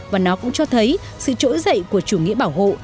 và nó cũng cho thấy sự trỗi dậy của chủ nghĩa bảo hộ